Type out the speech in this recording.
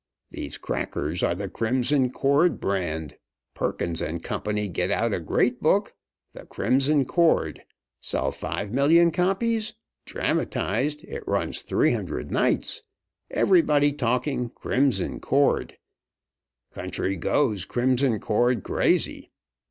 These crackers are the Crimson Cord brand. Perkins & Co. get out a great book, 'The Crimson Cord'! Sell five million copies. Dramatized, it runs three hundred nights. Everybody talking Crimson Cord. Country goes Crimson Cord crazy.